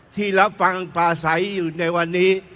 ที่รับฟังปลาใสอยู่ในวันนี้